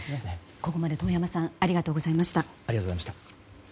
ここまで遠山さんありがとうございました。